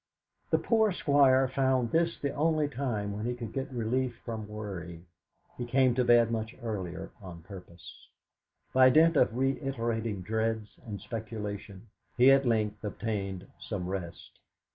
The poor Squire found this the only time when he could get relief from worry; he came to bed much earlier on purpose. By dint of reiterating dreads and speculation he at length obtained some rest.